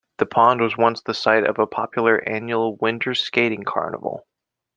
The pond was once the site of a popular annual winter skating carnival.